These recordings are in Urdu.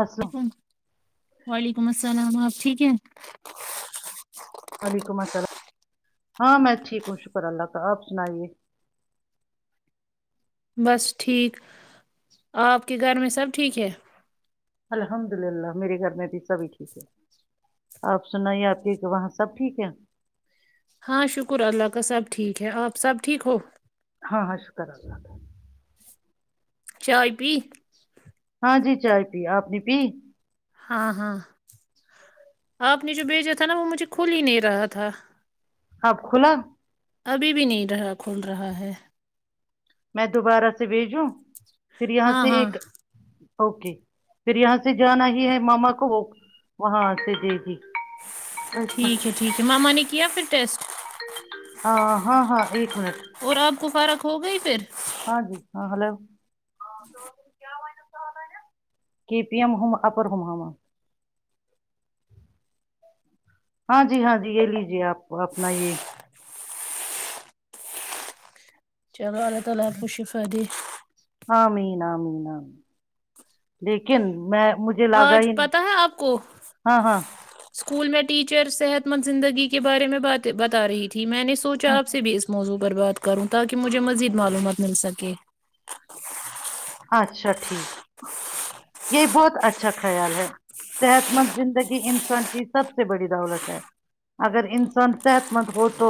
السلام لیکم وعلیکم السلام س نام آپ ٹھیک ہے وعلیکم السلام ہاں میں ٹھیک ہوں شکر اللہ تعی آپ سنائیے بس ٹھیک آپ کے گھر میں سب ٹھیک ہے الحمد للہ میرے گھر میں بھی سبھی ٹھیک ہے آپ سن ہی آپ کی کہ وہاں سب ٹھیک ہے ہاں شکر اللہ کا سب ٹھیک ہے آپ سب ٹھیک ہو ہاں ہاں شکر اللہ چائے پی کا ہاں جی چائے پی آپنی پی ہاں ہاں آپ نے جو بھیجا تھا نا وہ مجھے کھول ہی نہیں رہا تھا آپ کھلا ابھی بھی نہیں رہا کھل رہا ہے میں دوبارہ سےوی جو پھر یہاں ہاں سے ہاں ایک اوکے پھر یہاں سے جانا ہی ہے ماما کو وہاں سے جے جی ٹھیک ہے ٹھیک ہے ماما نے کیا پھر ٹیسٹ ہاں ہاں ہاں ایک منٹ اور آپ کو فارق ہو گئی پھر ہاں جی ہاں ہلو [inaudible] کی پی ایم ہوم اپر ہوم ہاں جی ہاں جی یہ لیجیے آپ اپنا یہ چلو اللہ تعالی بشفری ام نام نام لیکن میں مجھے لگا آج ہی نہیں پتہ ہے آپ کو ہاں ہاں اسکول میں ٹیچر صحت مند زندگی کے بارے میں بات بتا رہی تھی میں نے سوچا ہاں، آ سے بھی اس موضوع برباد کروں تاکہ مجھے مزید معلومات مل سکے اچھا ٹھیک یہ بہت اچھا خیال ہے صحت مند زندگی انسان کی سب سے بڑی دولت ہے اگر انسان صحت مند ہو تو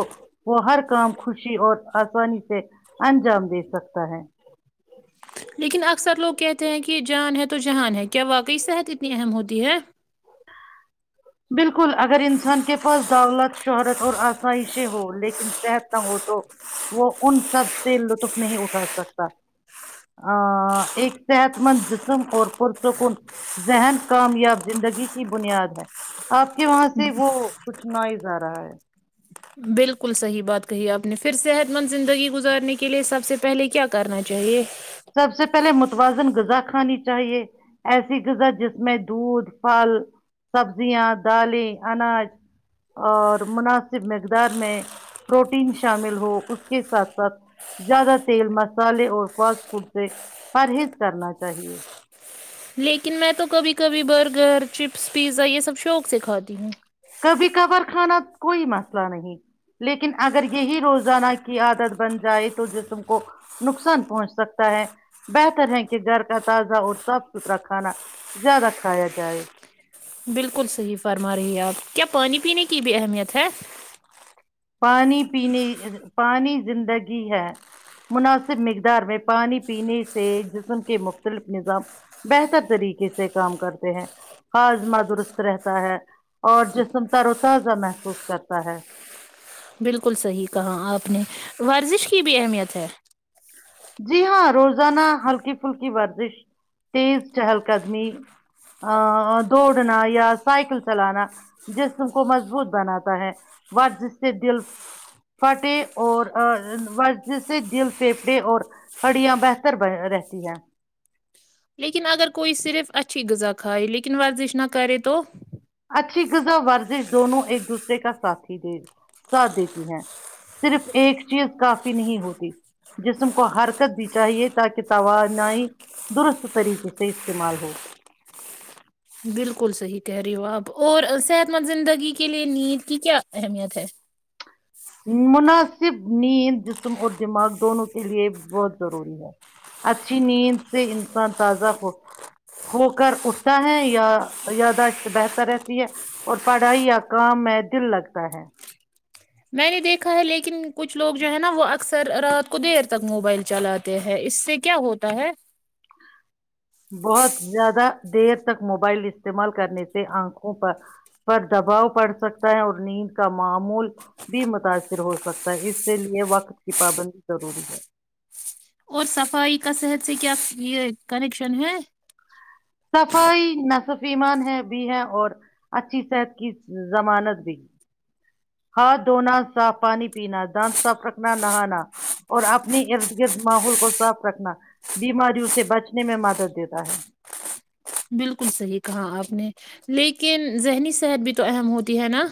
وہ ہر کام خوشی اور آسانی سے انجام دے سکتا ہے لیکن اکثر لوگ کہتے ہیں کہ جان ہے تو جہان ہے کیا واقعی صحت اتنی اہم ہوتی ہے بالکل اگر انسان کے پاس دولت شہرت اور آسائشیں ہو لیکن صحت نہ ہو تو وہ ان سب سے لطف نہیں اٹھا سکتا ایک صحت مند جسم اور پرسکون ذہن کامیاب زندگی کی بنیاد ہے آپ کے وہاں سے وہ کچھ نائز آ رہا ہے بالکل صحیح بات کہی آپ نے پھر صحت مند زندگی گزارنے کے لیے سب سے پہلے کیا کرنا چاہیے سب سے پہلے متوازن غذا کھانی چاہیے ایسی غذا جس میں دودھ پھل سبزیاں دالیں اناج اور مناسب مقدار میں پروٹین شامل ہو اس کے ساتھ ساتھ زیادہ تیل مسالے اور فاسٹ خ سے پرہیز کرنا چاہیے لیکن میں تو کبھی کبھی برگر چپس پیزا یہ سب شوق سے کھاتی ہوں کبھی کبھار کھانا کوئی مسئلہ نہیں لیکن اگر یہی روزانہ کی عادت بن جائے تو جسم کو نقصان پہنچ سکتا ہے بہتر ہے کہ گھر کا تازہ اور صاف ستھرا کھانا زیادہ کھایا جائے بالکل صحیح فرما رہی آپ کیا پانی پینے کی بھی اہمیت ہے پانی پینے پانی زندگی ہے مناسب مقدار میں پانی پینے سے جسم کے مختلف نظام بہتر طریقے سے کام کرتے ہیں ہاضمہ درست رہتا ہے اور جسم تر و تازہ محسوس کرتا ہے بالکل صحیح کہا آپ نے ورزش کی بھی اہمیت ہے جی ہاں روزانہ ہلکی پھلکی ورزش تیز چہل قدمی دوڑنا یا سائیکل چلانا جسم کو مضبوط بناتا ہے ورزش سے دل پھٹے اور ورزش سے دل پیپڑے اور ہڑیاں بہتر ب رہتی ہیں لیکن اگر کوئی صرف اچھی غذا کھائے لیکن ورزش نہ کرے تو اچھی غذا ورزش دونوں ایک دوسرے کا ساتھھی دے ساتھ دیتی ہیں صرف ایک چیز کافی نہیں ہوتی جسم کو حرکت بھی چاہیے تاکہ توانائی درست طریقے سے استعمال ہو بالکل صحی کہہریے آاب اور صحت مند زندگی کے لیے نیند کی کیا اہمیت ہے مناسب نیند جسم اور دماغ دونوں کے لیے بہت ضروری ہے اچھی نیند سے انسان تازہ ہو ہو کر اٹھتا ہے یا یاداشت بہتر رہتی ہے اور پڑھائی یا کام میں دل لگتا ہے میں نے دیکھا ہے لیکن کچھ لوگ جو ہے نا وہ اکثر رات کو دیر تک موبائل چلاتے ہیں اس سے کیا ہوتا ہے بہت زیادہ دیر تک موبائل استعمال کرنے سے آنکھوں پر دباؤ پڑسکتا ہے اور نیند کا معمول بھی متاثر ہوسکتا ہے اسی لئے وقت کی پابندی ضروری ہے اور صفائی کا صحت سے کیا یہ کنیکشن ہے صفائی نصفیمان ہے بھی ہے اور اچھی صحت کی ضمانت بھی ہاتھ دھونا صاف پانی پینا دانت صاف رکھنا نہانا اور اپنی ارد گرد ماحول کو صاف رکھنا بیماریوں سے بچنے میں مدد دیتا ہے بالکل صحیح کہا آپ نے لیکن ذہنی صحت بھی تو اہم ہوتی ہے نا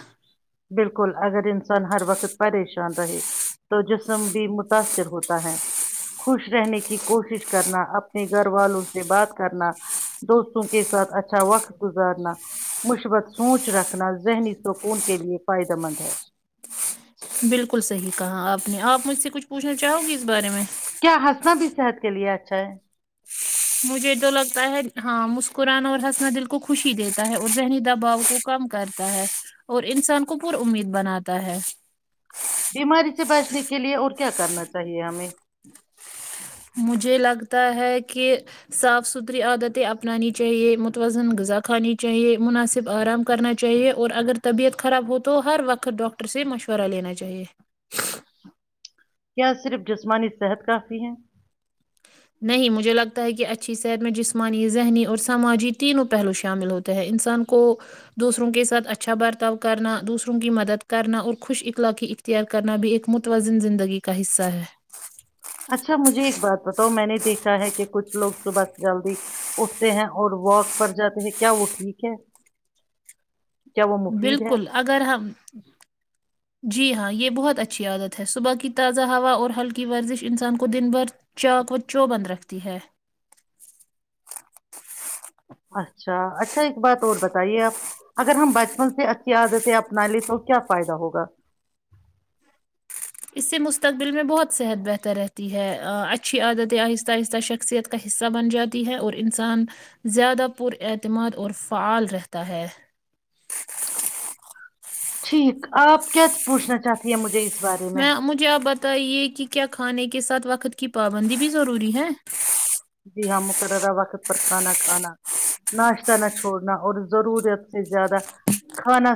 بالکل اگر انسان ہر وقت پریشان رہے تو جسم بھی متاثر ہوتا ہے خوش رہنے کی کوشش کرنا اپنے گھر والوں سے بات کرنا دوستوں کے ساتھ اچھا وقت گزارنا مثبت سوچ رکھنا ذہنی سکون کے لیے فائدہ مند ہے بالکل صحیح کہا آپ نے آپ مجھ سے کچھ پوچھنا چاہو گی اس بارے میں کیا ہنسنا بھی صحت کے لیے اچھا ہے مجھے تو لگتا ہے ہاں مسکرانا اور حسنا دل کو خوشی دیتا ہے اور ذہنی دباؤ کو کم کرتا ہے اور انسان کو پر امید بناتا ہے بیماری سے بچنے کے لیے اور کیا کرنا چاہیے ہمیں [unintelligible] [inaudible] کیا صرف جسمانی صحت کافی ہے نہیں مجھے لگتا ہے کہ اچھی صحت میں جسمانی ذہنی اور سماجی تینوں پہلو شامل ہوتے ہیں انسان کو دوسروں کے ساتھ اچھا برتاؤ کرنا دوسروں کی مدد کرنا اور خوش اخلاقی اختیار کرنا بھی ایک متوازن زندگی کا حصہ ہے اچھا مجھے ایک بات بتاؤ میں نے دیکھا ہے کہ کچھ لوگ صبح سے جلدی اٹھتے ہیں اور واک پر جاتے ہیں کیا وہ ٹھیک ہے کیا وہ مفید ہے بالکل اگر ہم جی ہاں یہ بہت اچھی عادت ہے صبح کی تازہ ہوا اور ہلکی ورزش انسان کو دن بھر چاک و چو بند رکھتی ہے اچھا اچھا ایک بات اور بتائیے آپ اگر ہم بچپن سے اچھی عادتیں اپنا لیے تو کیا فائدہ ہوگا اس سے مستقبل میں بہت صحت بہتر رہتی ہے اچھی عادت آہستہ آہستہ شخصیت کا حصہ بن جاتی ہے اور انسان زیادہ پر اعتماد اور فعال رہتا ہے ٹھیک آپ کیا پوچھنا چاہتی ہیں مجھے اس میں مجھے آب [unintelligible] ت یہ کہ کیا کھانے کے ساتھ وقت کی پابندی بھی ضروری ہے مقررہ وقت پر کھانا کھانا ناشتہ نہ چھوڑنا اور ضرورت سے زیادہ کھانا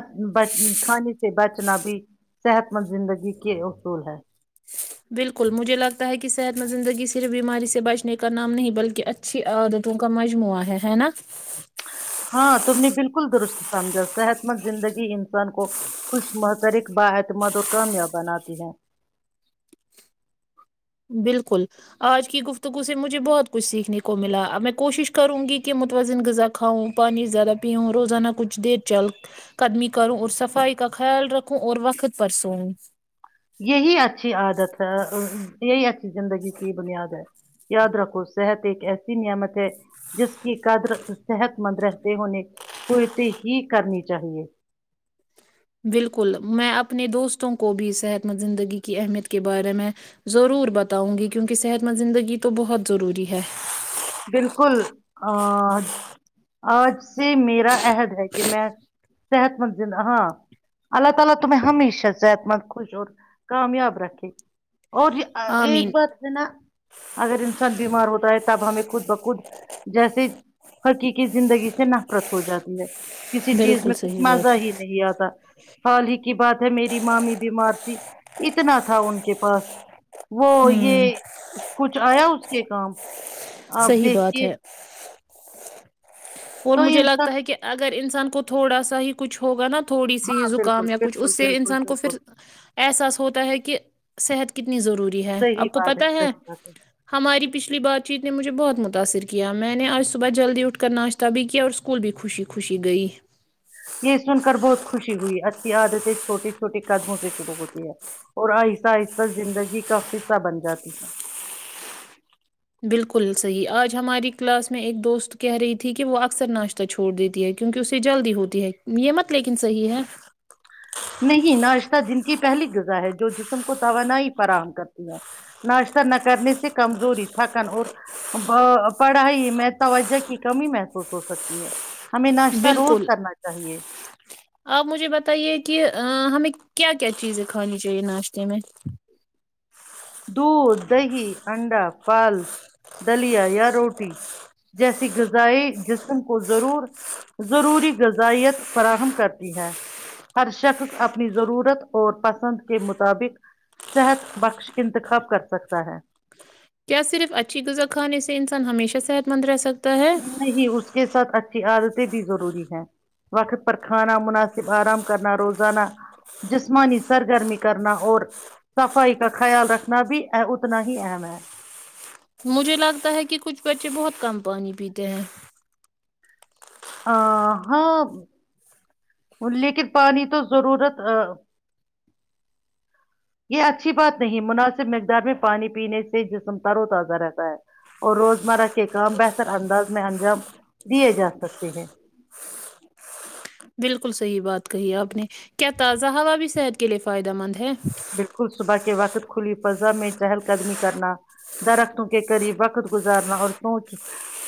کھانے سے بچنا بھی صحت مند زندگی کے اصول ہیں بالکل مجھے لگتا ہے کہ صحت م زندگی صرف بیماری سے بچنے کا نام نہیں بلکہ اچھی عادتوں کا مجموعہ ہے ہے نا ہاں تم نے بالکل درست سمجھا صحت مند زندگی انسان کو خوش محترک با اعتماد اور کامیاب بناتی ہے بالکل آج کی گفتگو سے مجھے بہت کچھ سیکھنے کو ملا اب میں کوشش کروں گی کہ متوازن غذا کھاؤں پانی زیادہ پیوں روزانہ کچھ دیر چل قدمی کروں اور صفائی کا خیال رکھوں اور وقت پر سوں یہی اچھی عادت ہے یہی اچ زندگی کی بنیاد ہے یاد رکھو صحت ایک ایسی نعمت ہے جس کی قدر صحت مند رہتے ہونے کوئیتی ہی کرنی چاہیے بالکل میں اپنے دوستوں کو بھی صحت مند زندگی کی اہمیت کے بارے میں ضرور بتاؤں گی کیونکہ صحت مند زندگی تو بہت ضروری ہے [unintelligible] اور ایک آمین بات ہے نا اگر انسان بیمار ہوتا ہے تب ہمیں خود بخود جیسے ہرقی کی زندگی سے نفرت ہو جاتی ہے کسی چیز بالکل میں کچھ صحیح مزہ بات ہی ہے نہیں آتا حال ہی کی بات ہے میری مامی بیمار تھی اتنا تھا ان کے پاس وہ یہ ہوں کچھ آیا اس کے کام آپ صحیح بات دیکھیے ہے اور تو مجھے انسان لگتا ہے کہ اگر انسان کو کو تھوڑا سا ہی کچھ ہوگا نا تھوڑی سی ہاں بالکل زکام یا کچھ بالکل اس سے بالکل انسان کو بالکل پھر احساس ہوتا ہے کہ صحت کی ضروری ہے صحیح آپ کو بات پتا ہے صحیح بات ہماری پچھلی بات چیت نے مجھے بہت م متاثر کیا میں نے آج صبح جلدی اٹھ کر ناشت تبھی کیا اور اسکول بھی خوشی خوشی گئی یہ سن کر بہت خوشی ہوئی ہے اچھی عادتیں چھوٹے چھوٹے قدموں سے شرو ہوتی ہے اور آہستہ آہستہ زندگی کا قصہ بن جاتی ہے بالکل صحیح آج ہماری کلاس میں ایک دوست کہہ رہی تھی کہ وہ اکثر ناشتہ چھوڑ دیتی ہے کیونکہ اسے جلدی ہوتی ہے یہ مت لیکن صحیح ہے نہیں ناشتہ جن کی پہلی غذا ہے جو جسم کو توانائی فراہم کرتی ہے ناشتہ نہ کرنے سے کمزوری تھکن اور پڑھائی میں توجہ کی کمی محسوس ہو سکتی ہے ہمیں ناشتہ روز بالکل کرنا چاہیے آپ مجھے بتائیے کہ ہمیں کیا کیا چیزیں کھانی چاہیے ناشتے میں دودھ دہی انڈا پال دلیا یا روٹی جیسے غذائی جسم کو ضرور ضروری غذائیت فراہم کرتی ہے ہر شخص اپنی ضرورت اور پسند کے مطابق صحت بخش اننتخاب کر سکتا ہے کیا صرف اچھی غذا کھانے سے انسان ہمیشہ صحت مند رہ سکتا ہے نہیں اس کے ساتھ اچھا عادتیں بھی ضروری ہیں وقت پر کھانا مناسب آرام کرنا روزانہ جسمانی سرگرمی کرنا اور صفائی کا خیال رکھنا بھی اتنا ہی اہم ہے مجھے لگتا ہے کہ کچھ بچے بہت کم پانی پیتے ہیں ہ ہاں لیکن پانی تو ضرورت یہ اچھی بات نہیں مناسب مقدار میں پانی پینے سے جسم تر و تازہ رہتا ہے اور روزمرہ کے کام بہتر انداز میں انجام دیے جا سکتے ہیں بالکل صحیح بات کہی آپ نے کیا تازہ ہوا بھی صحت کے لیے فائدہ مند ہے بالکل صبح کے وقت کھلی فضا میں چہل قدمی کرنا درختوں کے قریب وقت گزارنا اور سوچ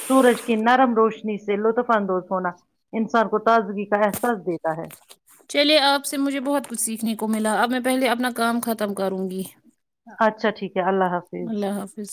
سورج کی نرم روشنی سے لطف اندوز ہونا انسان کو تازگی کا احساس دیتا ہے چلیے آپ سے مجھے بہت کچھ سیکھنے کو ملا اب میں پہلے اپنا کام ختم کروں گی اچھا ٹھیک کیا اللہ حافظ اللہ حافظ